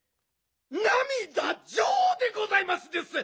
なみだジョでございますです！